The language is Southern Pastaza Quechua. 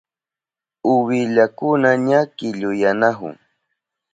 Uwillakuna ña killuyanahun.